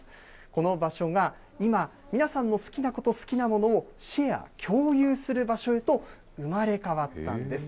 この場所が今、皆さんの好きなこと、好きなものをシェア・共有する場所へと生まれ変わったんです。